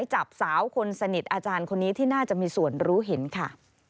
จับสาวคนสนิทอาจารย์คนนี้ที่น่าจะมีส่วนรู้เห็นค่ะ